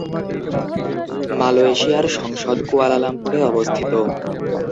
মালয়েশিয়ার সংসদ কুয়ালালামপুরে অবস্থিত।